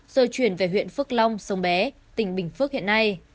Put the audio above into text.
rồi chuyển về huyện phước long sông bé tỉnh bình phước hiện nay